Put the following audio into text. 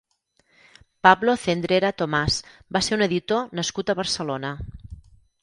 Pablo Zendrera Tomás va ser un editor nascut a Barcelona.